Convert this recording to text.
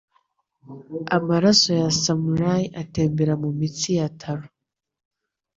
Amaraso ya samurai atembera mumitsi ya Taro.